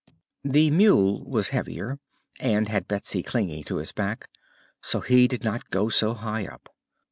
The mule was heavier and had Betsy clinging to his back, so he did not go so high up.